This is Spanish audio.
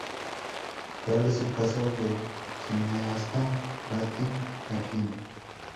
Tal es el caso del cineasta, Fatih Akin.